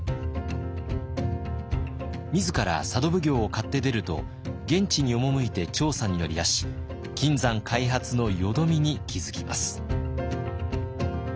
自ら佐渡奉行を買って出ると現地に赴いて調査に乗り出し金山開発の淀みに気付きます。